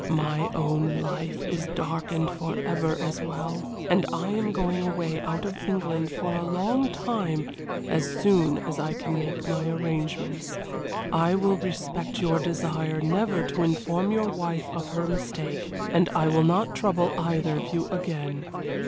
My own life is darkened forever as well, and I am going away out of England for a long time as soon as I can make my arrangements. I will respect your desire never to inform your wife of her mistake, and I will not trouble either of you again.